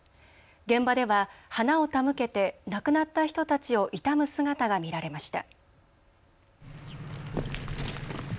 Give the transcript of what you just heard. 現場では花を手向けて亡くなった人たちを悼む姿が見られました。